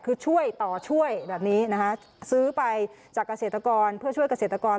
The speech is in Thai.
คือช่วยต่อช่วยแบบนี้นะคะซื้อไปจากเกษตรกรเพื่อช่วยเกษตรกร